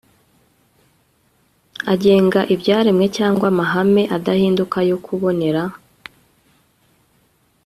agenga ibyaremwe cyangwa amahame adahinduka yo kubonera